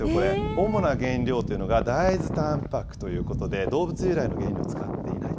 主な原料というのが大豆たんぱくということで、動物由来の原料を使っていないと。